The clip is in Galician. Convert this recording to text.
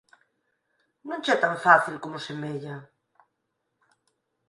Non che é tan fácil como semella